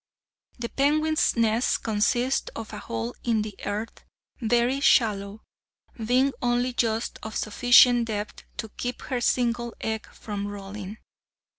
The penguin's nest consists of a hole in the earth, very shallow, being only just of sufficient depth to keep her single egg from rolling.